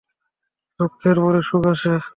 দুঃখের পরে সুখ আসে।